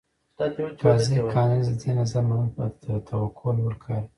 قاضي کالینز د دې نظر منل به تر توقع لوړ کار وي.